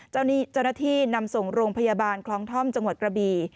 เจ้าหน้าที่นำส่งโรงพยาบาลคลองท่อมจังหวัดกระบี